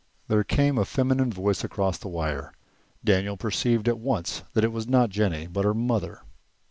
There came a feminine voice across the wire. Daniel perceived at once that it was not Jennie, but her mother.